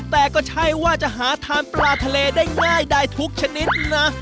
แต่ก็ใช่ว่าจะหาทานปลาทะเลได้ง่ายได้ทุกชนิดนะ